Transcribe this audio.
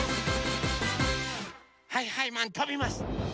はいはいマンとびます！